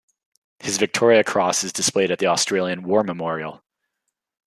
His Victoria Cross is displayed at the Australian War Memorial.